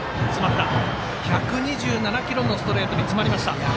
１２７キロのストレートにつまりました。